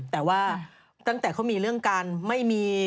แต่ว่าตั้งแต่เขามีเรื่องกันไม่มี